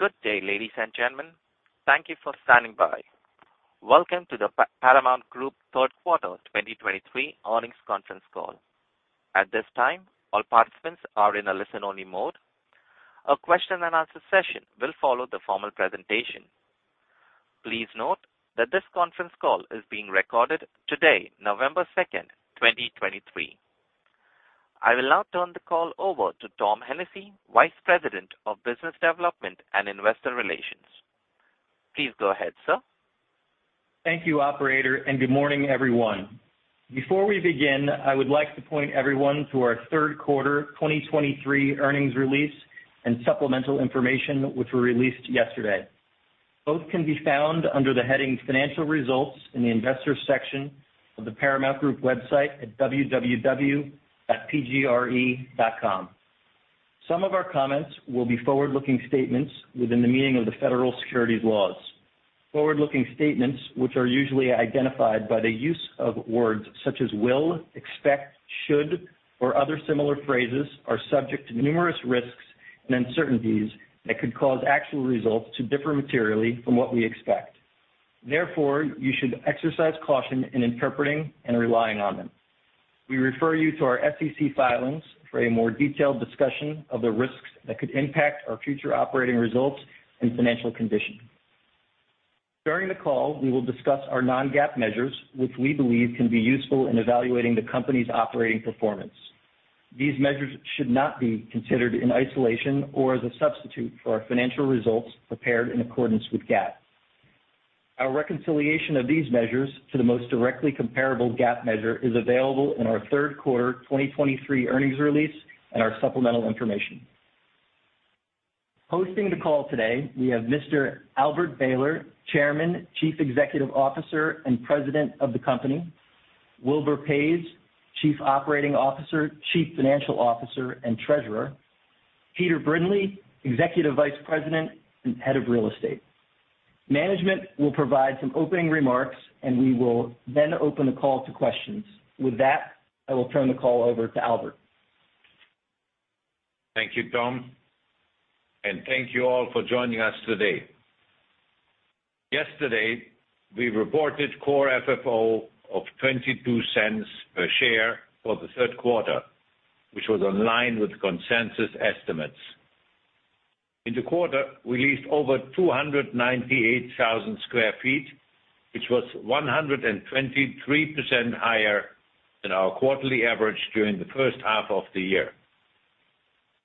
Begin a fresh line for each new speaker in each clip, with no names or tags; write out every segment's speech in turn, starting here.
Good day, ladies and gentlemen. Thank you for standing by. Welcome to the Paramount Group third quareter 2023 Earnings Conference Call. At this time, all participants are in a listen-only mode. A question-and-answer session will follow the formal presentation. Please note that this conference call is being recorded today, November 2, 2023. I will now turn the call over to Tom Hennessy, Vice President of Business Development and Investor Relations. Please go ahead, sir.
Thank you, operator, and good morning, everyone. Before we begin, I would like to point everyone to our third quarter 2023 earnings release and supplemental information, which were released yesterday. Both can be found under the heading Financial Results in the Investors section of the Paramount Group website at www.pgre.com. Some of our comments will be forward-looking statements within the meaning of the federal securities laws. Forward-looking statements, which are usually identified by the use of words such as will, expect, should, or other similar phrases, are subject to numerous risks and uncertainties that could cause actual results to differ materially from what we expect. Therefore, you should exercise caution in interpreting and relying on them. We refer you to our SEC filings for a more detailed discussion of the risks that could impact our future operating results and financial condition. During the call, we will discuss our non-GAAP measures, which we believe can be useful in evaluating the company's operating performance. These measures should not be considered in isolation or as a substitute for our financial results prepared in accordance with GAAP. Our reconciliation of these measures to the most directly comparable GAAP measure is available in our third quarter 2023 earnings release and our supplemental information. Hosting the call today, we have Mr. Albert Behler, Chairman, Chief Executive Officer, and President of the company; Wilbur Paes, Chief Operating Officer, Chief Financial Officer, and Treasurer; Peter Brindley, Executive Vice President and Head of Real Estate. Management will provide some opening remarks, and we will then open the call to questions. With that, I will turn the call over to Albert.
Thank you, Tom, and thank you all for joining us today. Yesterday, we reported Core FFO of $0.22 per share for the third quarter, which was in line with consensus estimates. In the quarter, we leased over 298,000 sq ft, which was 123% higher than our quarterly average during the first half of the year.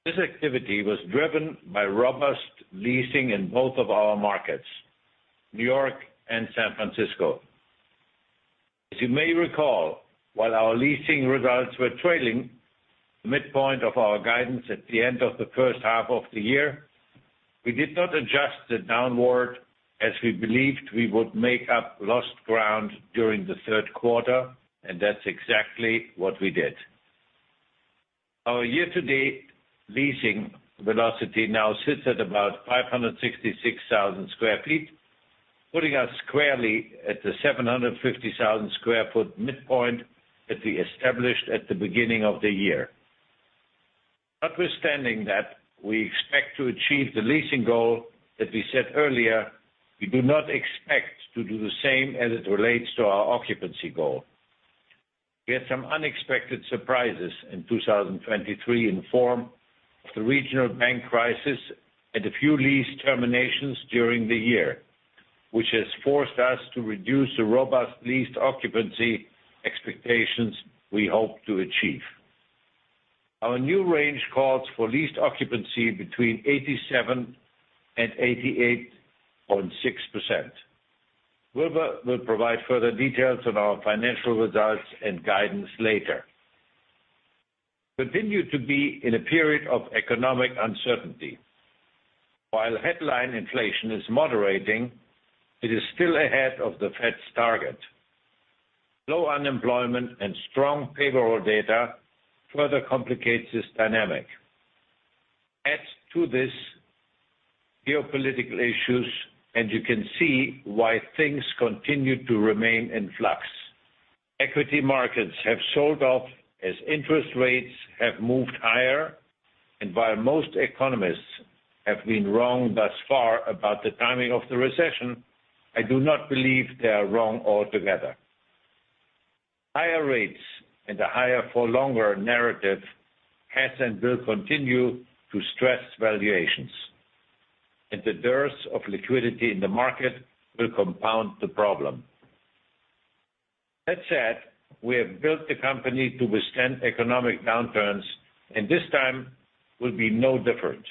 This activity was driven by robust leasing in both of our markets, New York and San Francisco. As you may recall, while our leasing results were trailing the midpoint of our guidance at the end of the first half of the year, we did not adjust it downward as we believed we would make up lost ground during the third quarter, and that's exactly what we did. Our year-to-date leasing velocity now sits at about 566,000 sq ft, putting us squarely at the 750,000 sq ft midpoint that we established at the beginning of the year. Notwithstanding that, we expect to achieve the leasing goal that we set earlier. We do not expect to do the same as it relates to our occupancy goal. We had some unexpected surprises in 2023 in the form of the regional bank crisis and a few lease terminations during the year, which has forced us to reduce the robust leased occupancy expectations we hoped to achieve. Our new range calls for leased occupancy between 87% and 88.6%. Wilbur will provide further details on our financial results and guidance later. We continue to be in a period of economic uncertainty. While headline inflation is moderating, it is still ahead of the Fed's target. Low unemployment and strong payroll data further complicates this dynamic. Add to this geopolitical issues, and you can see why things continue to remain in flux. Equity markets have sold off as interest rates have moved higher, and while most economists have been wrong thus far about the timing of the recession, I do not believe they are wrong altogether. Higher rates and the higher for longer narrative has and will continue to stress valuations, and the dearth of liquidity in the market will compound the problem. That said, we have built the company to withstand economic downturns, and this time will be no different.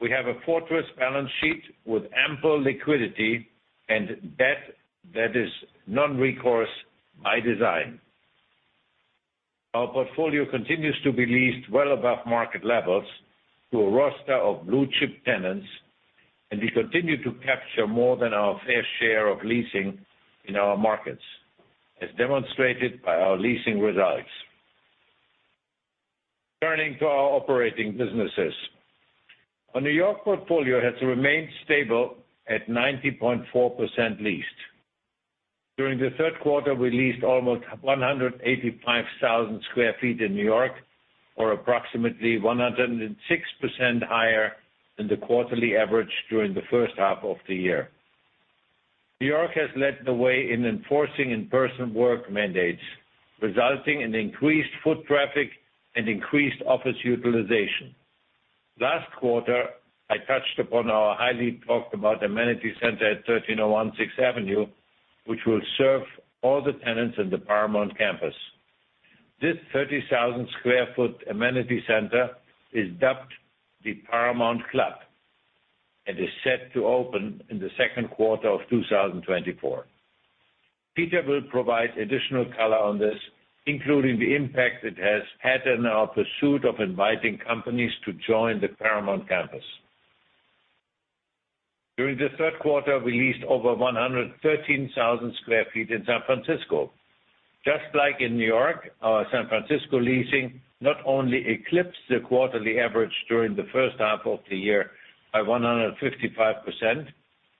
We have a fortress balance sheet with ample liquidity and debt that is non-recourse by design. Our portfolio continues to be leased well above market levels to a roster of blue-chip tenants, and we continue to capture more than our fair share of leasing in our markets, as demonstrated by our leasing results. Turning to our operating businesses. Our New York portfolio has remained stable at 90.4% leased. During the third quarter, we leased almost 185,000 sq ft in New York, or approximately 106% higher than the quarterly average during the first half of the year. New York has led the way in enforcing in-person work mandates, resulting in increased foot traffic and increased office utilization. Last quarter, I touched upon our highly talked about amenity center at 1301 Sixth Avenue, which will serve all the tenants in the Paramount campus. This 30,000 sq ft amenity center is dubbed the Paramount Club, and is set to open in the Q2 of 2024. Peter will provide additional color on this, including the impact it has had in our pursuit of inviting companies to join the Paramount campus. During the third quarter, we leased over 113,000 sq ft in San Francisco. Just like in New York, our San Francisco leasing not only eclipsed the quarterly average during the first half of the year by 155%,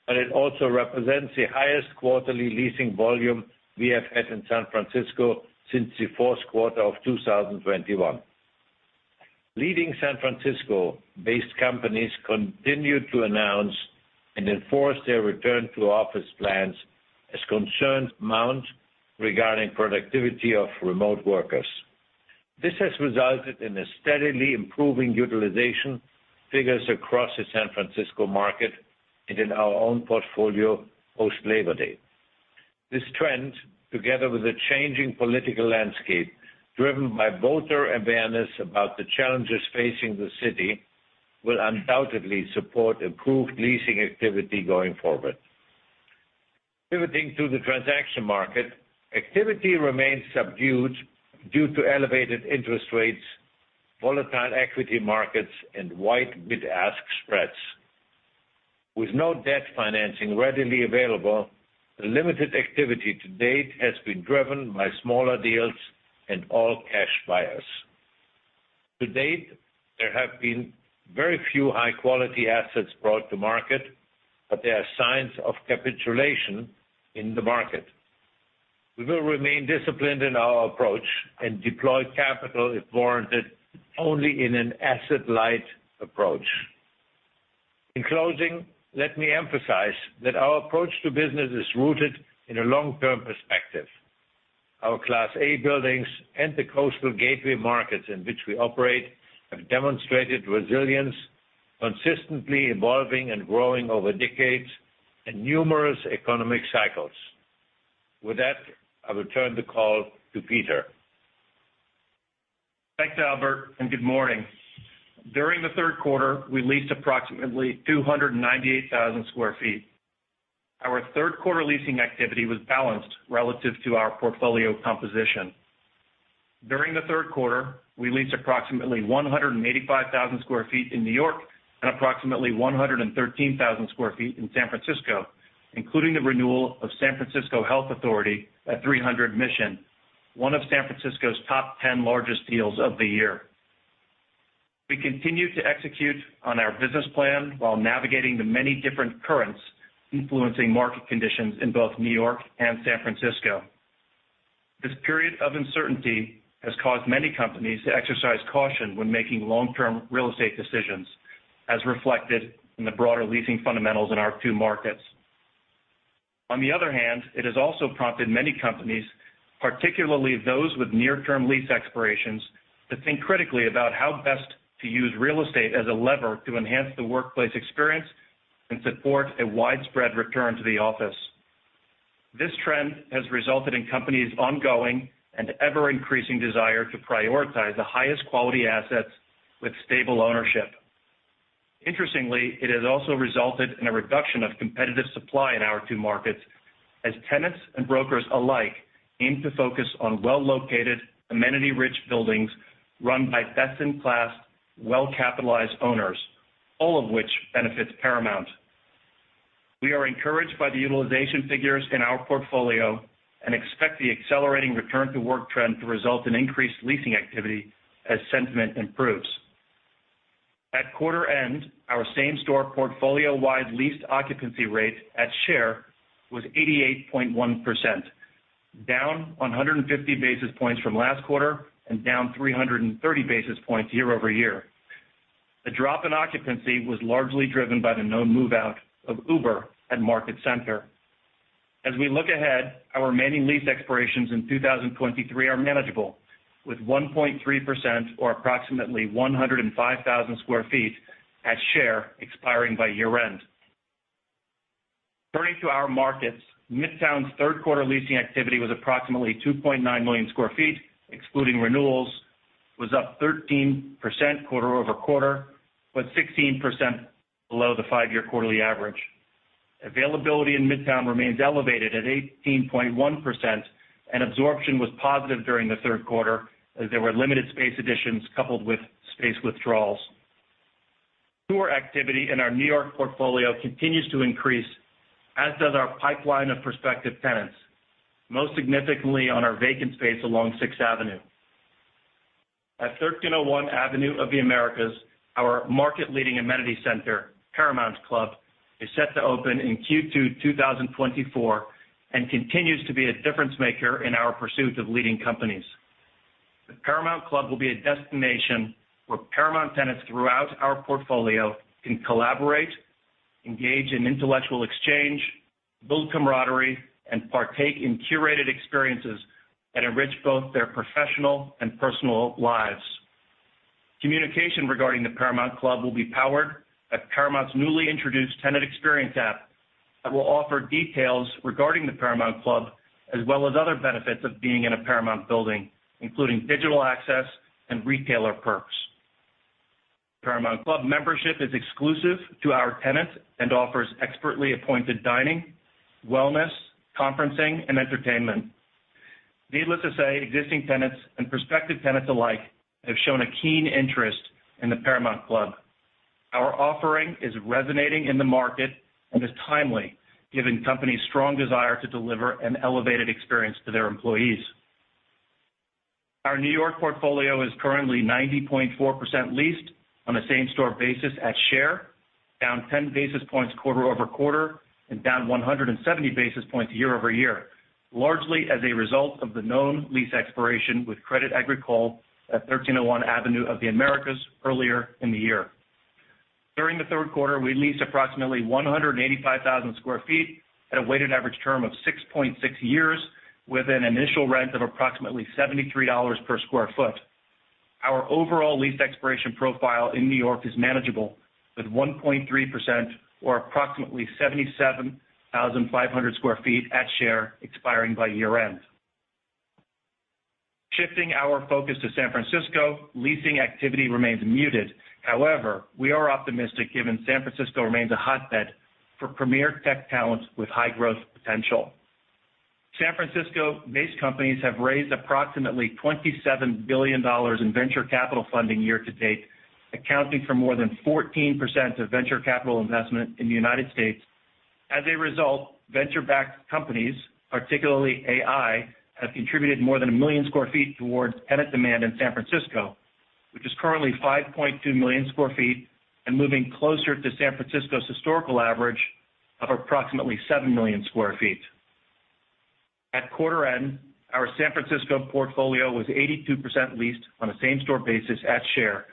but it also represents the highest quarterly leasing volume we have had in San Francisco since the fourth quarter of 2021. Leading San Francisco-based companies continued to announce and enforce their return to office plans as concerns mount regarding productivity of remote workers. This has resulted in a steadily improving utilization figures across the San Francisco market and in our own portfolio post-Labor Day. This trend, together with a changing political landscape, driven by voter awareness about the challenges facing the city, will undoubtedly support improved leasing activity going forward. Pivoting to the transaction market, activity remains subdued due to elevated interest rates, volatile equity markets, and wide bid-ask spreads. With no debt financing readily available, the limited activity to date has been driven by smaller deals and all-cash buyers. To date, there have been very few high-quality assets brought to market, but there are signs of capitulation in the market. We will remain disciplined in our approach and deploy capital, if warranted, only in an asset-light approach. In closing, let me emphasize that our approach to business is rooted in a long-term perspective. Our Class A buildings and the coastal gateway markets in which we operate have demonstrated resilience, consistently evolving and growing over decades and numerous economic cycles. With that, I return the call to Peter.
Thanks, Albert, and good morning. During the third quarter, we leased approximately 298,000 sq ft. Our third quarter leasing activity was balanced relative to our portfolio composition. During the third quarter, we leased approximately 185,000 sq ft in New York and approximately 113,000 sq ft in San Francisco, including the renewal of San Francisco Health Authority at 300 Mission, one of San Francisco's top 10 largest deals of the year. We continue to execute on our business plan while navigating the many different currents influencing market conditions in both New York and San Francisco. This period of uncertainty has caused many companies to exercise caution when making long-term real estate decisions, as reflected in the broader leasing fundamentals in our two markets. On the other hand, it has also prompted many companies, particularly those with near-term lease expirations, to think critically about how best to use real estate as a lever to enhance the workplace experience and support a widespread return to the office. This trend has resulted in companies' ongoing and ever-increasing desire to prioritize the highest quality assets with stable ownership. Interestingly, it has also resulted in a reduction of competitive supply in our two markets, as tenants and brokers alike aim to focus on well-located, amenity-rich buildings run by best-in-class, well-capitalized owners, all of which benefits Paramount. We are encouraged by the utilization figures in our portfolio and expect the accelerating return to work trend to result in increased leasing activity as sentiment improves. At quarter end, our same-store portfolio-wide leased occupancy rate at share was 88.1%, down 150 basis points from last quarter and down 330 basis points year-over-year. The drop in occupancy was largely driven by the move-out of Uber at Market Center. As we look ahead, our remaining lease expirations in 2023 are manageable, with 1.3% or approximately 105,000 sq ft at share expiring by year-end. Turning to our markets, Midtown's third quarter leasing activity was approximately 2.9 million sq ft, excluding renewals, was up 13% quarter-over-quarter, but 16% below the 5-year quarterly average. Availability in Midtown remains elevated at 18.1%, and absorption was positive during the third quarter, as there were limited space additions coupled with space withdrawals. Tour activity in our New York portfolio continues to increase, as does our pipeline of prospective tenants, most significantly on our vacant space along Sixth Avenue. At 1301 Avenue of the Americas, our market-leading amenity center, Paramount Club, is set to open in Q2, 2024, and continues to be a difference maker in our pursuit of leading companies. The Paramount Club will be a destination where Paramount tenants throughout our portfolio can collaborate, engage in intellectual exchange, build camaraderie, and partake in curated experiences that enrich both their professional and personal lives. Communication regarding the Paramount Club will be powered by Paramount's newly introduced tenant experience app, that will offer details regarding the Paramount Club, as well as other benefits of being in a Paramount building, including digital access and retailer perks. Paramount Club membership is exclusive to our tenants and offers expertly appointed dining, wellness, conferencing, and entertainment. Needless to say, existing tenants and prospective tenants alike have shown a keen interest in the Paramount Club. Our offering is resonating in the market and is timely, giving companies strong desire to deliver an elevated experience to their employees. Our New York portfolio is currently 90.4% leased on a same-store basis at share, down 10 basis points quarter-over-quarter, and down 170 basis points year-over-year, largely as a result of the known lease expiration with Crédit Agricole at 1301 Avenue of the Americas earlier in the year. During the third quarter, we leased approximately 185,000 sq ft at a weighted average term of 6.6 years, with an initial rent of approximately $73 per sq ft. Our overall lease expiration profile in New York is manageable, with 1.3% or approximately 77,500 sq ft at risk expiring by year-end. Shifting our focus to San Francisco, leasing activity remains muted. However, we are optimistic, given San Francisco remains a hotbed for premier tech talents with high growth potential. San Francisco-based companies have raised approximately $27 billion in venture capital funding year to date, accounting for more than 14% of venture capital investment in the United States. As a result, venture-backed companies, particularly AI, have contributed more than 1 million sq ft towards tenant demand in San Francisco, which is currently 5.2 million sq ft and moving closer to San Francisco's historical average of approximately 7 million sq ft. At quarter end, our San Francisco portfolio was 82% leased on a same-store basis at share,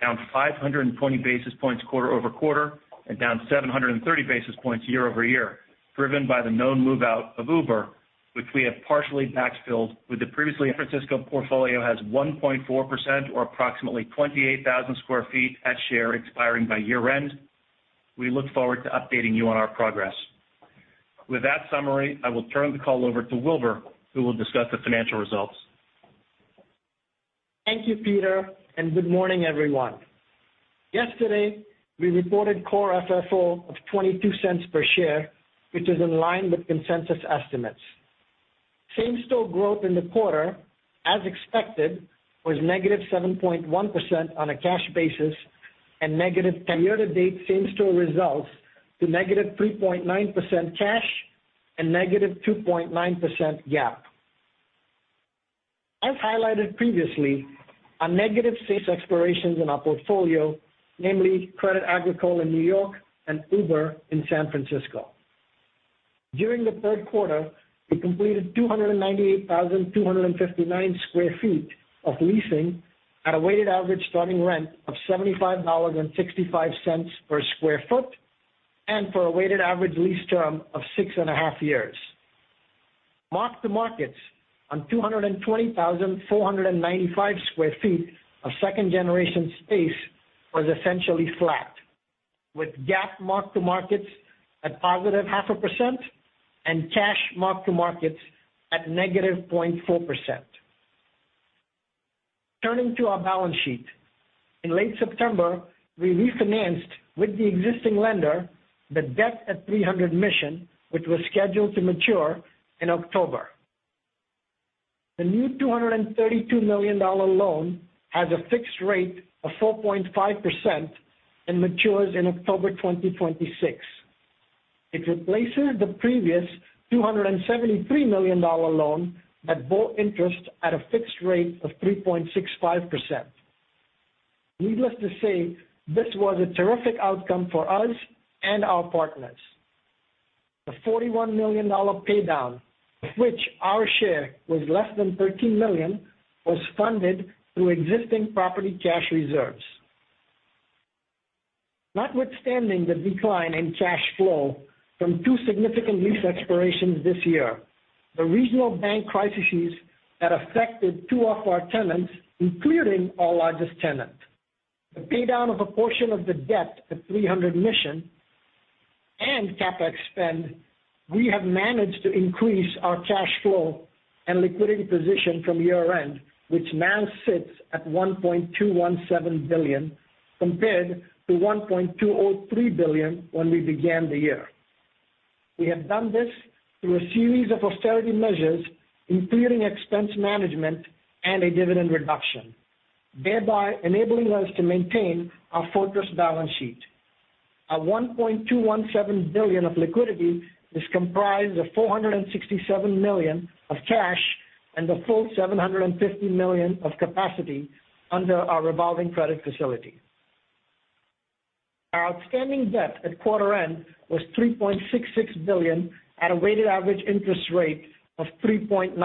down 520 basis points quarter-over-quarter, and down 730 basis points year-over-year, driven by the known move out of Uber, which we have partially backfilled with the previously San Francisco portfolio, has 1.4% or approximately 28,000 sq ft at share expiring by year-end. We look forward to updating you on our progress. With that summary, I will turn the call over to Wilbur, who will discuss the financial results.
Thank you, Peter, and good morning, everyone. Yesterday, we reported Core FFO of $0.22 per share, which is in line with consensus estimates. Same-store growth in the quarter, as expected, was -7.1% on a cash basis and negative year-to-date same-store results to -3.9% cash and -2.9% GAAP. As highlighted previously, our negative lease expirations in our portfolio, namely Crédit Agricole in New York and Uber in San Francisco. During the third quarter, we completed 298,259 sq ft of leasing at a weighted average starting rent of $75.65 per sq ft, and for a weighted average lease term of 6.5 years. Mark-to-markets on 220,495 sq ft of second-generation space was essentially flat, with GAAP mark-to-markets at positive 0.5% and cash mark-to-markets at -0.4%. Turning to our balance sheet. In late September, we refinanced with the existing lender, the debt at 300 Mission, which was scheduled to mature in October. The new $232 million loan has a fixed rate of 4.5% and matures in October 2026. It replaces the previous $273 million loan that bore interest at a fixed rate of 3.65%. Needless to say, this was a terrific outcome for us and our partners. The $41 million paydown, of which our share was less than $13 million, was funded through existing property cash reserves. Notwithstanding the decline in cash flow from two significant lease expirations this year, the regional bank crises that affected two of our tenants, including our largest tenant, the paydown of a portion of the debt at 300 Mission and CapEx spend, we have managed to increase our cash flow and liquidity position from year-end, which now sits at $1.217 billion, compared to $1.203 billion when we began the year. We have done this through a series of austerity measures, including expense management and a dividend reduction, thereby enabling us to maintain our fortress balance sheet. Our $1.217 billion of liquidity is comprised of $467 million of cash and the full $750 million of capacity under our revolving credit facility. Our outstanding debt at quarter end was $3.66 billion, at a weighted average interest rate of 3.9%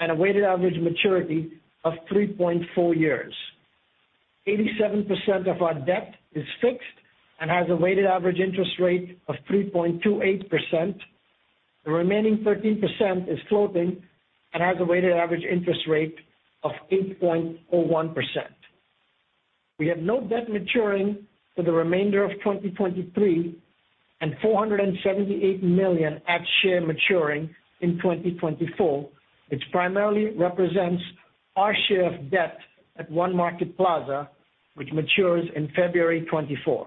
and a weighted average maturity of 3.4 years. 87% of our debt is fixed and has a weighted average interest rate of 3.28%. The remaining 13% is floating and has a weighted average interest rate of 8.1%. We have no debt maturing for the remainder of 2023, and $478 million at share maturing in 2024, which primarily represents our share of debt at One Market Plaza, which matures in February 2024.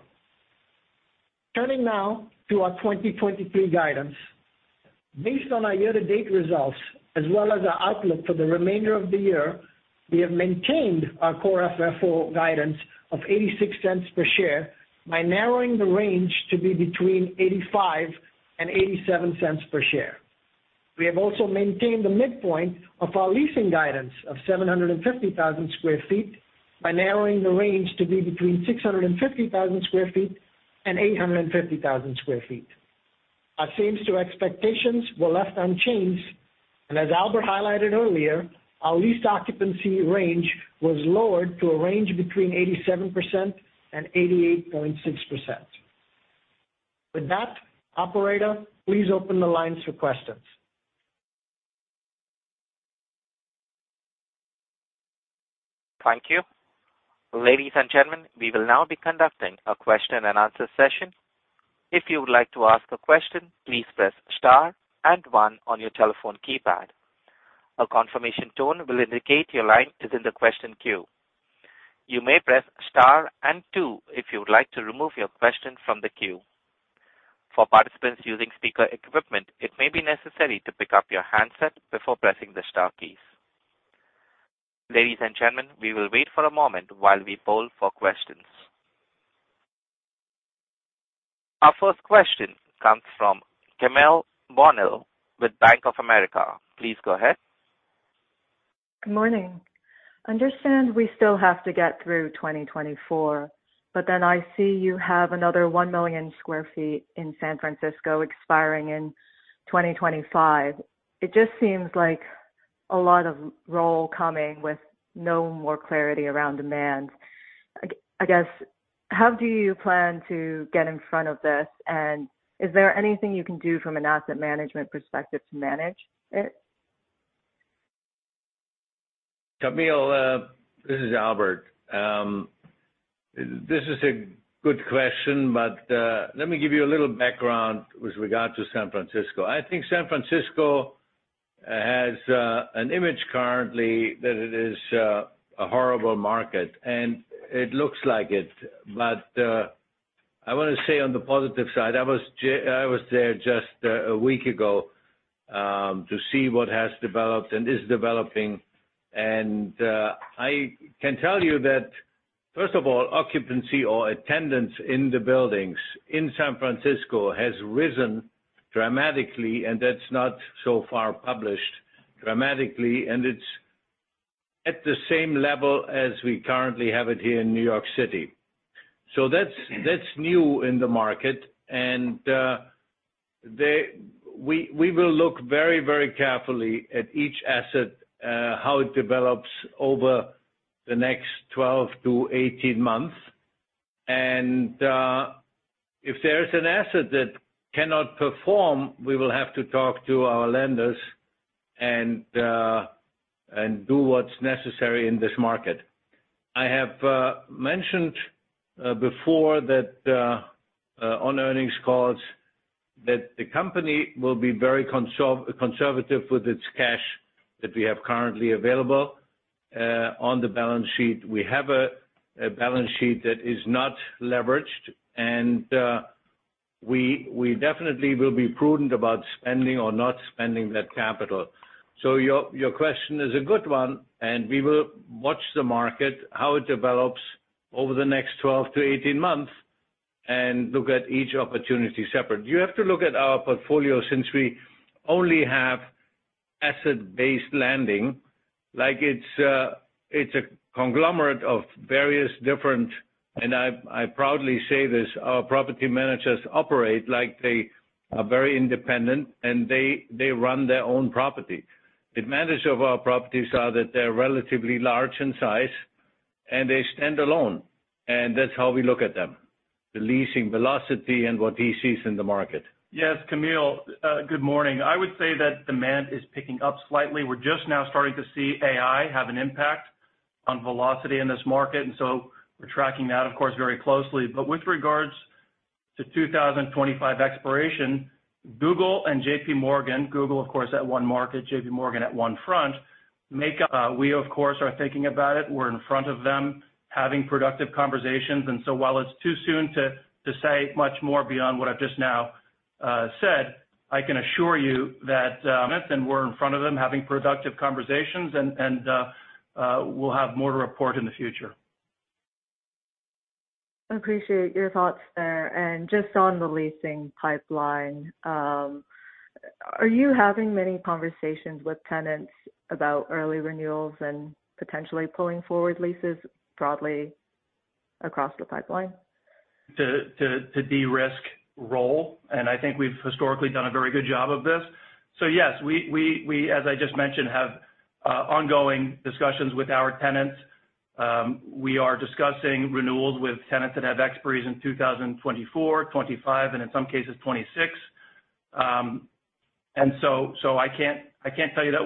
Turning now to our 2023 guidance. Based on our year-to-date results, as well as our outlook for the remainder of the year, we have maintained our Core FFO guidance of $0.86 per share by narrowing the range to be between $0.85 and $0.87 per share. We have also maintained the midpoint of our leasing guidance of 750,000 sq ft, by narrowing the range to be between 650,000 sq ft and 850,000 sq ft. Our same-store expectations were left unchanged, and as Albert highlighted earlier, our lease occupancy range was lowered to a range between 87% and 88.6%. With that, operator, please open the lines for questions.
Thank you. Ladies and gentlemen, we will now be conducting a question-and-answer session. If you would like to ask a question, please press star and one on your telephone keypad. A confirmation tone will indicate your line is in the question queue. You may press star and two, if you would like to remove your question from the queue. For participants using speaker equipment, it may be necessary to pick up your handset before pressing the star keys. Ladies and gentlemen, we will wait for a moment while we poll for questions. Our first question comes from Camille Bonnell with Bank of America. Please go ahead.
Good morning. I understand we still have to get through 2024, but then I see you have another 1 million sq ft in San Francisco expiring in 2025. It just seems like a lot of roll coming with no more clarity around demand. I guess, how do you plan to get in front of this? And is there anything you can do from an asset management perspective to manage it?
Camille, this is Albert. This is a good question, but let me give you a little background with regard to San Francisco. I think San Francisco has an image currently that it is a horrible market, and it looks like it. I want to say on the positive side, I was there just a week ago to see what has developed and is developing. And I can tell you that, first of all, occupancy or attendance in the buildings in San Francisco has risen dramatically, and that's not so far published dramatically, and it's at the same level as we currently have it here in New York City. So that's new in the market. We will look very, very carefully at each asset how it develops over the next 12-18 months. If there is an asset that cannot perform, we will have to talk to our lenders and do what's necessary in this market. I have mentioned before that on earnings calls the company will be very conservative with its cash that we have currently available on the balance sheet. We have a balance sheet that is not leveraged, and we definitely will be prudent about spending or not spending that capital. So your question is a good one, and we will watch the market how it develops over the next 12-18 months, and look at each opportunity separate. You have to look at our portfolio since we only have asset-based lending. Like, it's a, it's a conglomerate of various different. And I proudly say this, our property managers operate like they are very independent, and they run their own property. The advantage of our properties are that they're relatively large in size, and they stand alone, and that's how we look at them, the leasing velocity and what he sees in the market.
Yes, Camille, good morning. I would say that demand is picking up slightly. We're just now starting to see AI have an impact on velocity in this market, and so we're tracking that, of course, very closely. But with regards to 2025 expiration, Google and JP Morgan, Google, of course, at One Market, JP Morgan at One Front, make up. We, of course, are thinking about it. We're in front of them, having productive conversations, and so while it's too soon to say much more beyond what I've just now Said, I can assure you that, and we're in front of them having productive conversations, and we'll have more to report in the future.
Appreciate your thoughts there. Just on the leasing pipeline, are you having many conversations with tenants about early renewals and potentially pulling forward leases broadly across the pipeline?
To de-risk role, and I think we've historically done a very good job of this. So yes, we, as I just mentioned, have ongoing discussions with our tenants. We are discussing renewals with tenants that have expiries in 2024, 2025, and in some cases, 2026. And so, I can't tell you that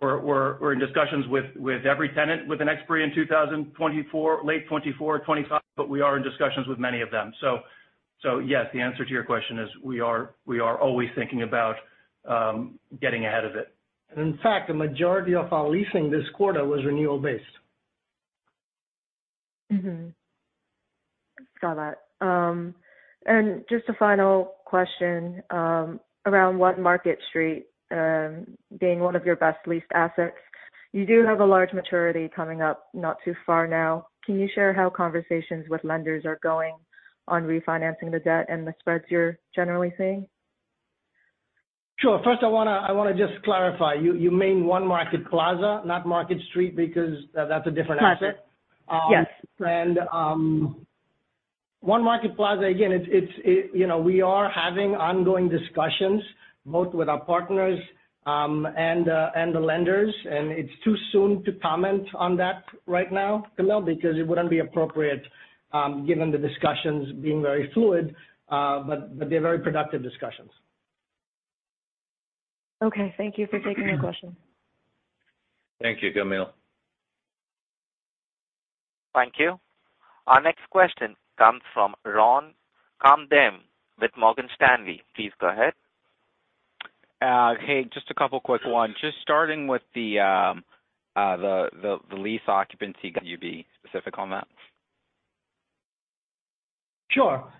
we're in discussions with every tenant with an expiry in 2024, late 2024 or 2025, but we are in discussions with many of them. So, yes, the answer to your question is, we are always thinking about getting ahead of it. In fact, the majority of our leasing this quarter was renewal based.
Mm-hmm. Got that. Just a final question, around One Market Plaza, being one of your best leased assets. You do have a large maturity coming up not too far now. Can you share how conversations with lenders are going on refinancing the debt and the spreads you're generally seeing?
Sure. First, I wanna just clarify. You mean One Market Plaza, not Market Street, because that's a different asset.
Got it. Yes.
One Market Plaza, again, it's, you know, we are having ongoing discussions, both with our partners and the lenders, and it's too soon to comment on that right now, Camille, because it wouldn't be appropriate, given the discussions being very fluid, but they're very productive discussions.
Okay, thank you for taking my question.
Thank you, Camille.
Thank you. Our next question comes from Ron Kamdem with Morgan Stanley. Please go ahead.
Hey, just a couple quick one. Just starting with the lease occupancy. Can you be specific on that?
Sure.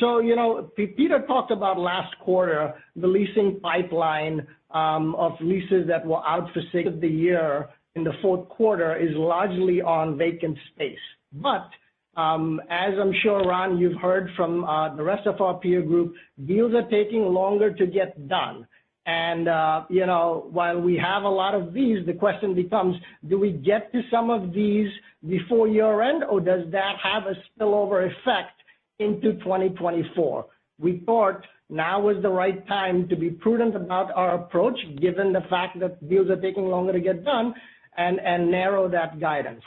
So, you know, Peter talked about last quarter, the leasing pipeline, of leases that were out for six of the year in the fourth quarter is largely on vacant space. But, as I'm sure, Ron, you've heard from, the rest of our peer group, deals are taking longer to get done. And, you know, while we have a lot of these, the question becomes, do we get to some of these before year-end, or does that have a spillover effect into 2024? We thought now is the right time to be prudent about our approach, given the fact that deals are taking longer to get done and, and narrow that guidance.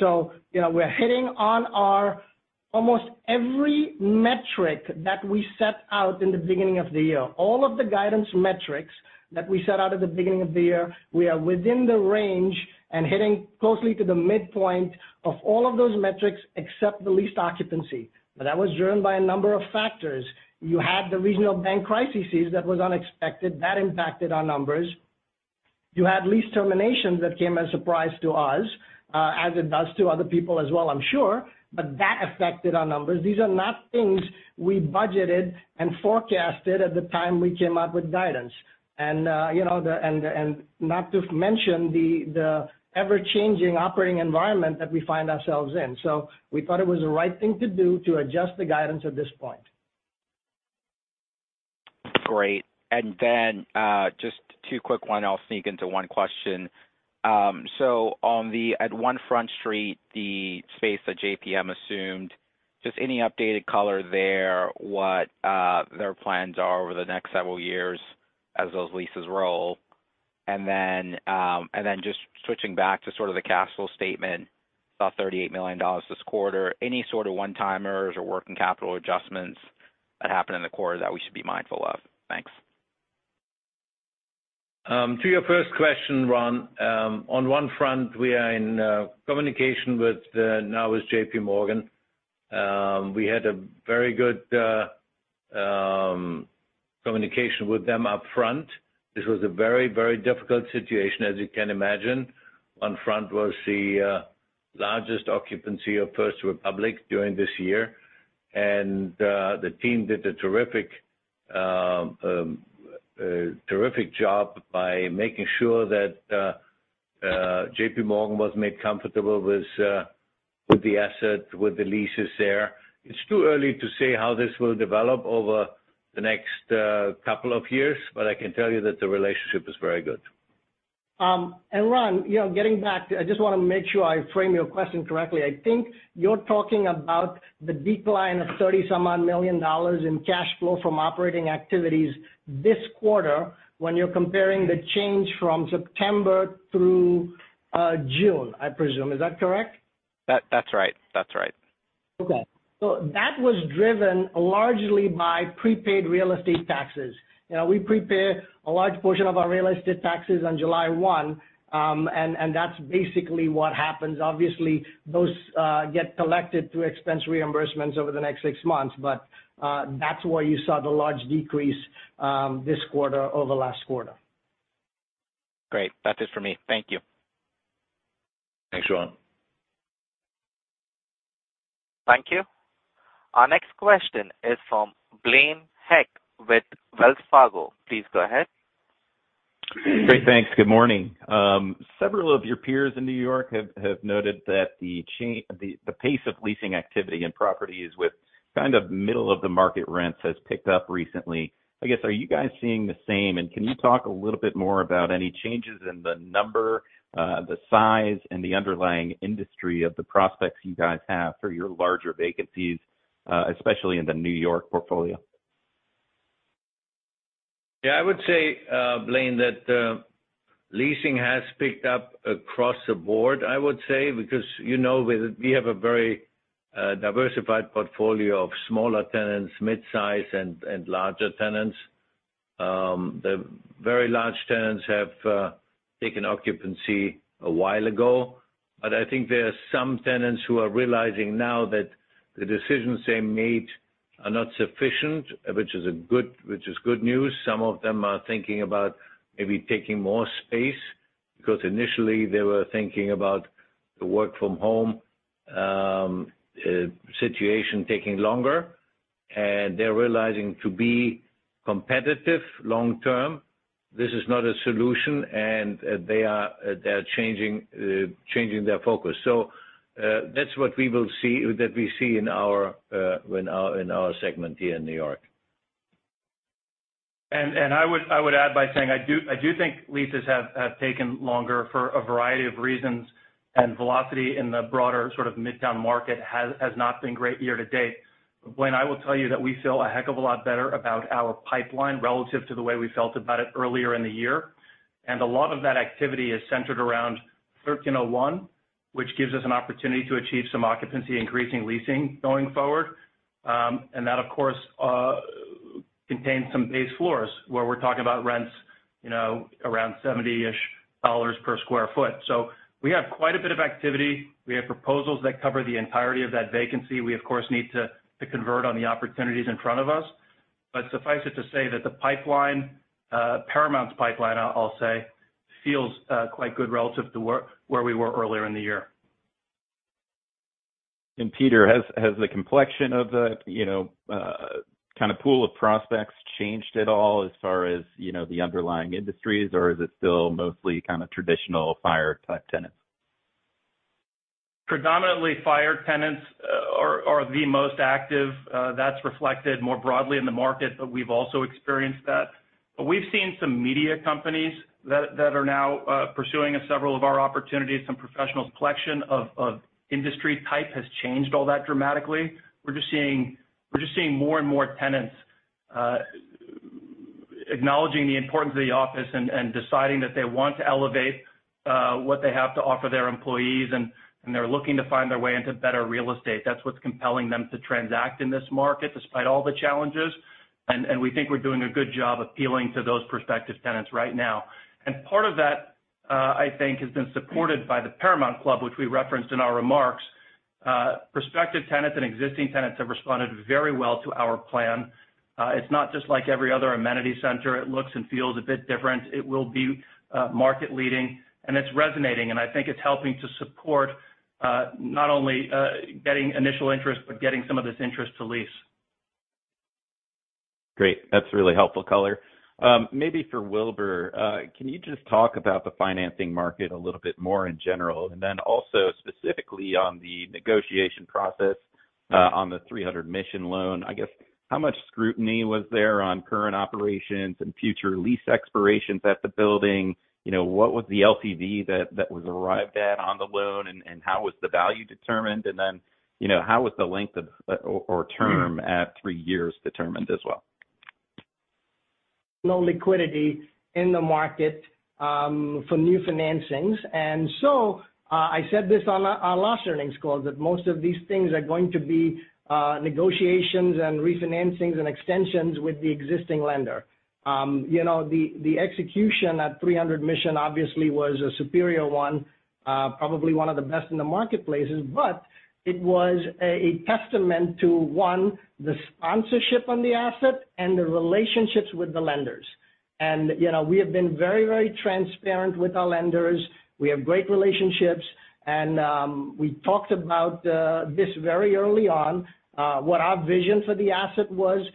So, you know, we're hitting on our almost every metric that we set out in the beginning of the year. All of the guidance metrics that we set out at the beginning of the year, we are within the range and hitting closely to the midpoint of all of those metrics except the lease occupancy, but that was driven by a number of factors. You had the regional bank crisis that was unexpected. That impacted our numbers. You had lease terminations that came as a surprise to us, as it does to other people as well, I'm sure, but that affected our numbers. These are not things we budgeted and forecasted at the time we came up with guidance. And, you know, not to mention the ever-changing operating environment that we find ourselves in. So we thought it was the right thing to do to adjust the guidance at this point.
Great. And then, just two quick one, I'll sneak into one question. So on the, at One Front Street, the space that JPM assumed, just any updated color there, what, their plans are over the next several years as those leases roll? And then, and then just switching back to sort of the castle statement, about $38 million this quarter. Any sort of one-timers or working capital adjustments that happened in the quarter that we should be mindful of? Thanks.
To your first question, Ron, on One Front, we are in communication with JPMorgan now. We had a very good communication with them upfront. This was a very, very difficult situation, as you can imagine. One Front was the largest occupancy of First Republic during this year. And the team did a terrific job by making sure that JPMorgan was made comfortable with the asset, with the leases there. It's too early to say how this will develop over the next couple of years, but I can tell you that the relationship is very good.
And Ron, you know, getting back, I just wanna make sure I frame your question correctly. I think you're talking about the decline of $30-some-odd million in cash flow from operating activities this quarter, when you're comparing the change from September through June, I presume. Is that correct?
That, that's right. That's right.
Okay. So that was driven largely by prepaid real estate taxes. You know, we prepare a large portion of our real estate taxes on July 1, and that's basically what happens. Obviously, those get collected through expense reimbursements over the next six months, but that's why you saw the large decrease this quarter over last quarter.
Great. That's it for me. Thank you.
Thanks, Ron.
Thank you. Our next question is from Blaine Heck with Wells Fargo. Please go ahead.
Great. Thanks. Good morning. Several of your peers in New York have noted that the pace of leasing activity in properties with kind of middle of the market rents has picked up recently. I guess, are you guys seeing the same? And can you talk a little bit more about any changes in the number, the size, and the underlying industry of the prospects you guys have for your larger vacancies, especially in the New York portfolio?
Yeah, I would say, Blaine, that leasing has picked up across the board, I would say, because, you know, we, we have a very diversified portfolio of smaller tenants, mid-size and, and larger tenants. The very large tenants have taken occupancy a while ago, but I think there are some tenants who are realizing now that the decisions they made are not sufficient, which is a good, which is good news. Some of them are thinking about maybe taking more space, because initially, they were thinking about the work from home situation taking longer, and they're realizing to be competitive long term, this is not a solution, and they are, they are changing, changing their focus. So, that's what we will see, that we see in our, in our, in our segment here in New York.
I would add by saying, I do think leases have taken longer for a variety of reasons, and velocity in the broader sort of Midtown market has not been great year to date. Blaine, I will tell you that we feel a heck of a lot better about our pipeline relative to the way we felt about it earlier in the year. And a lot of that activity is centered around 1301, which gives us an opportunity to achieve some occupancy increasing leasing going forward. And that, of course, contains some base floors where we're talking about rents, you know, around $70-ish per sq ft. So we have quite a bit of activity. We have proposals that cover the entirety of that vacancy. We, of course, need to convert on the opportunities in front of us. Suffice it to say that the pipeline, Paramount's pipeline, I'll say, feels quite good relative to where we were earlier in the year.
Peter, has the complexion of the, you know, kind of pool of prospects changed at all as far as, you know, the underlying industries, or is it still mostly kind of traditional fire type tenants?
Predominantly, fire tenants are the most active, that's reflected more broadly in the market, but we've also experienced that. We've seen some media companies that are now pursuing several of our opportunities. Some professionals' collection of industry type has not changed all that dramatically. We're just seeing more and more tenants acknowledging the importance of the office and deciding that they want to elevate what they have to offer their employees, and they're looking to find their way into better real estate. That's what's compelling them to transact in this market, despite all the challenges, and we think we're doing a good job appealing to those prospective tenants right now. Part of that, I think, has been supported by the Paramount Club, which we referenced in our remarks. Prospective tenants and existing tenants have responded very well to our plan. It's not just like every other amenity center. It will be market leading, and it's resonating, and I think it's helping to support not only getting initial interest, but getting some of this interest to lease.
Great. That's really helpful color. Maybe for Wilbur, can you just talk about the financing market a little bit more in general, and then also specifically on the negotiation process on the 300 Mission loan? I guess, how much scrutiny was there on current operations and future lease expirations at the building? You know, what was the LTV that was arrived at on the loan? And how was the value determined? And then, you know, how was the length of term at 3 years determined as well?
No liquidity in the market for new financings. And so, I said this on our last earnings call, that most of these things are going to be negotiations and refinancings and extensions with the existing lender. You know, the execution at 300 Mission obviously was a superior one, probably one of the best in the marketplaces, but it was a testament to one, the sponsorship on the asset and the relationships with the lenders. And, you know, we have been very, very transparent with our lenders. We have great relationships, and we talked about this very early on what our vision for the asset was,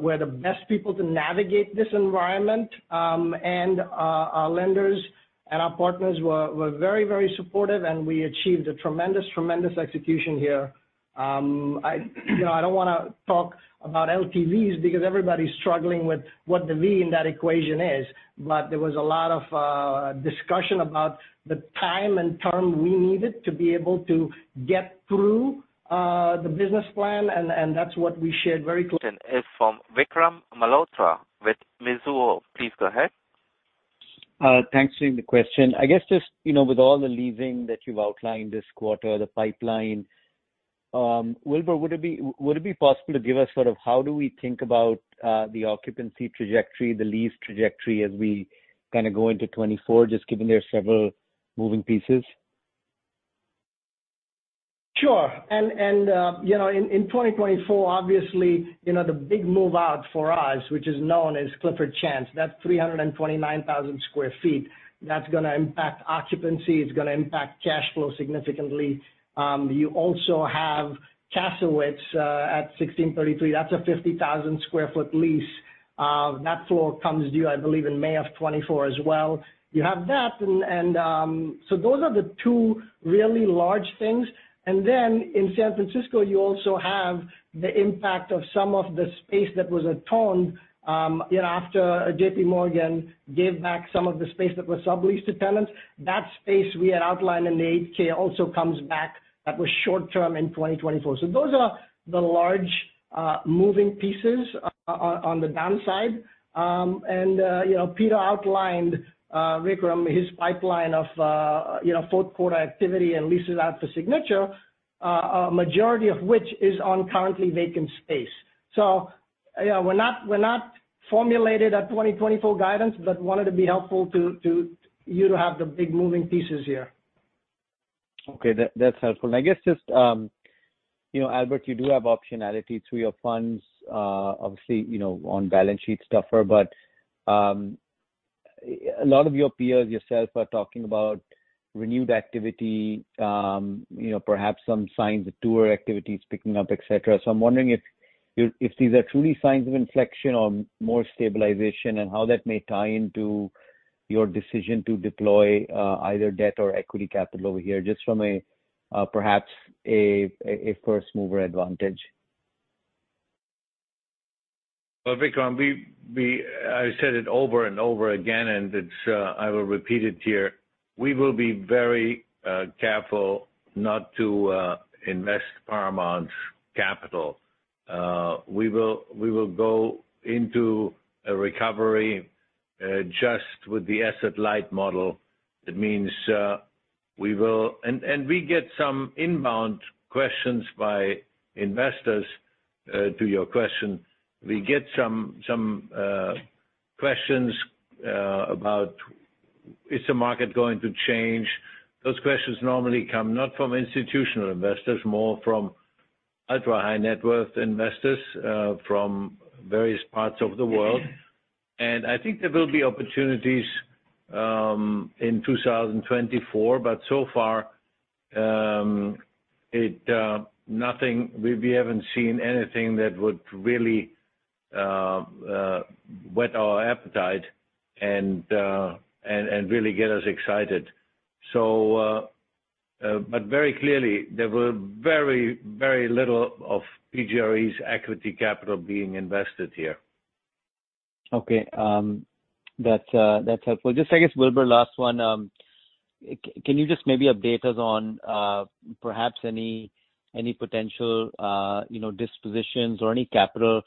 we're the best people to navigate this environment. And our lenders and our partners were very, very supportive, and we achieved a tremendous, tremendous execution here. You know, I don't want to talk about LTVs because everybody's struggling with what the V in that equation is, but there was a lot of discussion about the time and term we needed to be able to get through the business plan, and that's what we shared very-
Is from Vikram Malhotra with Mizuho. Please go ahead.
Thanks for the question. I guess just, you know, with all the leasing that you've outlined this quarter, the pipeline, Wilbur, would it be, would it be possible to give us sort of how do we think about, the occupancy trajectory, the lease trajectory as we kind of go into 2024, just given there are several moving pieces?
Sure. And, you know, in 2024, obviously, you know, the big move out for us, which is known as Clifford Chance, that's 329,000 sq ft. That's going to impact occupancy, it's going to impact cash flow significantly. You also have Kasowitz at 1633. That's a 50,000 sq ft lease. That floor comes due, I believe, in May 2024 as well. You have that, and, so those are the two really large things. And then in San Francisco, you also have the impact of some of the space that was at One, you know, after JP Morgan gave back some of the space that was subleased to tenants. That space we had outlined in the 10-K also comes back, that was short-term in 2024. So those are the large moving pieces on the downside. And you know, Peter outlined, Vikram, his pipeline of you know fourth quarter activity and leases out for signature, a majority of which is on currently vacant space. So, yeah, we're not formulated at 2024 guidance, but wanted to be helpful to you to have the big moving pieces here.
Okay, that's helpful. I guess just, you know, Albert, you do have optionality through your funds, obviously, you know, on balance sheet stuff here, but, a lot of your peers, yourself, are talking about renewed activity, you know, perhaps some signs of tour activities picking up, et cetera. So I'm wondering if you-- if these are truly signs of inflection or more stabilization, and how that may tie into your decision to deploy, either debt or equity capital over here, just from a, perhaps a first mover advantage.
Well, Vikram, I said it over and over again, and I will repeat it here. We will be very careful not to invest Paramount capital. We will go into a recovery just with the asset light model. That means we will— And we get some inbound questions by investors to your question. We get some questions about, is the market going to change? Those questions normally come not from institutional investors, more from ultra high net worth investors from various parts of the world. And I think there will be opportunities in 2024, but so far, nothing— We haven't seen anything that would really wet our appetite and really get us excited. But very clearly, there were very, very little of PGRE's equity capital being invested here.
Okay. That's helpful. Just, I guess, Wilbur, last one. Can you just maybe update us on perhaps any potential, you know, dispositions or any capital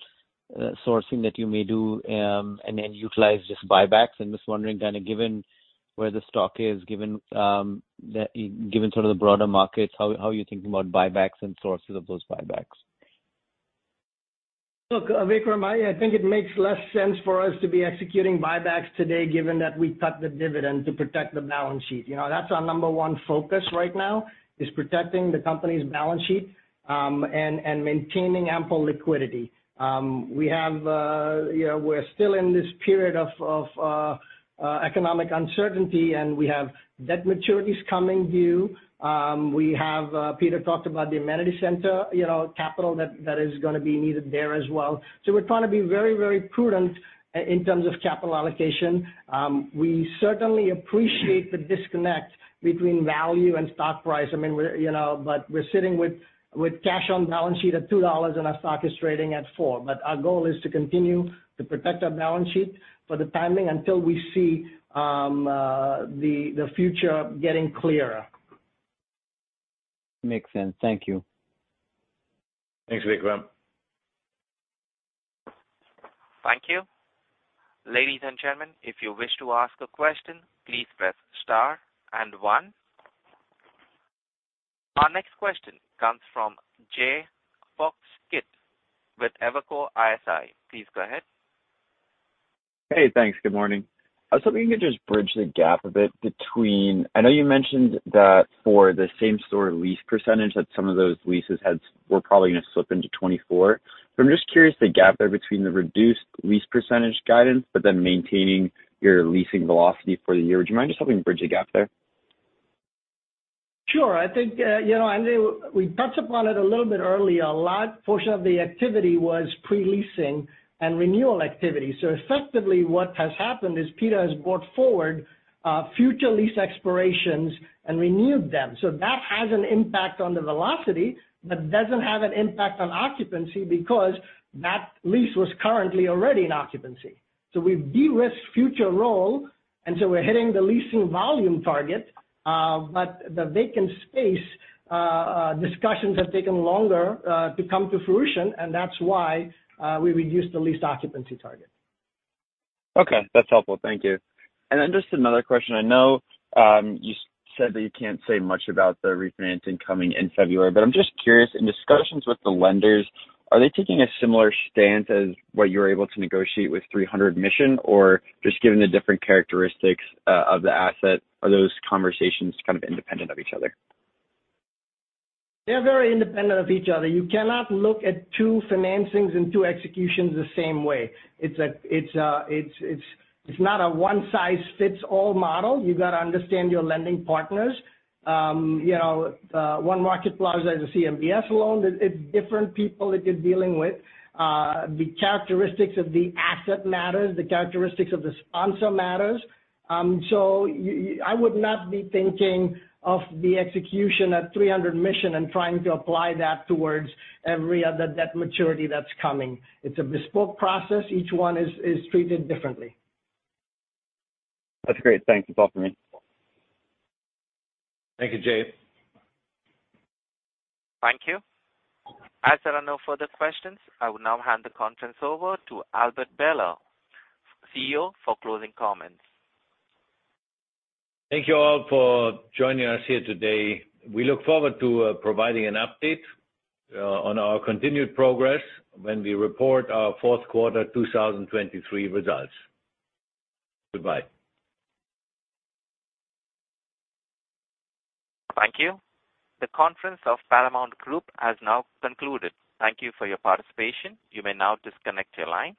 sourcing that you may do, and then utilize just buybacks? I'm just wondering, kind of, given where the stock is, given the, given sort of the broader markets, how are you thinking about buybacks and sources of those buybacks?
Look, Vikram, I think it makes less sense for us to be executing buybacks today, given that we cut the dividend to protect the balance sheet. You know, that's our number one focus right now, is protecting the company's balance sheet, and maintaining ample liquidity. We have, you know, we're still in this period of economic uncertainty, and we have debt maturities coming due. We have, Peter talked about the amenity center, you know, capital that is going to be needed there as well. So we're trying to be very, very prudent in terms of capital allocation. We certainly appreciate the disconnect between value and stock price. I mean, we're, you know, but we're sitting with cash on balance sheet at $2, and our stock is trading at $4. But our goal is to continue to protect our balance sheet for the timing until we see the future getting clearer.
Makes sense. Thank you.
Thanks, Vikram.
Thank you. Ladies and gentlemen, if you wish to ask a question, please press star and one. Our next question comes from Jay Foxkit with Evercore ISI. Please go ahead.
Hey, thanks. Good morning. I was hoping you could just bridge the gap a bit between... I know you mentioned that for the same-store lease percentage, that some of those leases had—were probably going to slip into 2024. But I'm just curious, the gap there between the reduced lease percentage guidance, but then maintaining your leasing velocity for the year. Would you mind just helping bridge the gap there?
Sure. I think, you know, and we touched upon it a little bit earlier, a large portion of the activity was pre-leasing and renewal activity. So effectively, what has happened is Peter has brought forward, future lease expirations and renewed them. So that has an impact on the velocity, but doesn't have an impact on occupancy because that lease was currently already in occupancy. So we've de-risked future role, and so we're hitting the leasing volume target, but the vacant space, discussions have taken longer, to come to fruition, and that's why, we reduced the lease occupancy target.
Okay. That's helpful. Thank you. And then just another question. I know, you said that you can't say much about the refinancing coming in February, but I'm just curious, in discussions with the lenders, are they taking a similar stance as what you're able to negotiate with 300 Mission? Or just given the different characteristics, of the asset, are those conversations kind of independent of each other?
They're very independent of each other. You cannot look at two financings and two executions the same way. It's not a one-size-fits-all model. You got to understand your lending partners. You know, One Market Plaza is a CMBS loan. It's different people that you're dealing with. The characteristics of the asset matters, the characteristics of the sponsor matters. I would not be thinking of the execution at 300 Mission and trying to apply that towards every other debt maturity that's coming. It's a bespoke process. Each one is treated differently.
That's great. Thanks a lot for me.
Thank you, Jay.
Thank you. As there are no further questions, I will now hand the conference over to Albert Behler, CEO, for closing comments.
Thank you all for joining us here today. We look forward to providing an update on our continued progress when we report our fourth quarter 2023 results. Goodbye.
Thank you. The conference of Paramount Group has now concluded. Thank you for your participation. You may now disconnect your lines.